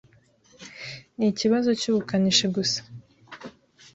Ni ikibazo cyubukanishi gusa.